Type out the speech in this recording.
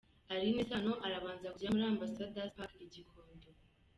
Alyn Sano arabanza kujya muri Ambassador's Park i Gikondo.